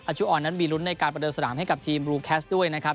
ชุออนนั้นมีลุ้นในการประเดิมสนามให้กับทีมบลูแคสด้วยนะครับ